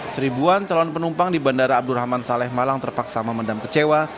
seribuan calon penumpang di bandara abdurrahman saleh malang terpaksa memendam kecewa